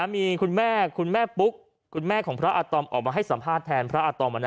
มีคุณแม่คุณแม่ปุ๊กคุณแม่ของพระอาตอมออกมาให้สัมภาษณ์แทนพระอาตอม